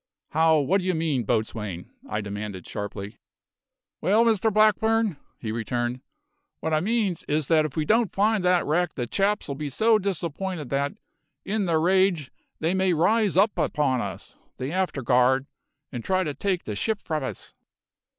"How what do you mean, boatswain?" I demanded sharply. "Well, Mr Blackburn," he returned, "what I means is that if we don't find the wrack the chaps'll be so disapp'inted that, in their rage, they may rise upon us, the afterguard, and try to take the ship from us."